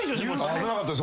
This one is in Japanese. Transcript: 危なかったです。